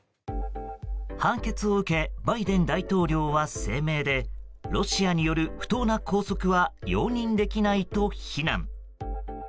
判決を受けバイデン大統領は声明でロシアによる不当な拘束は容認できないと非難。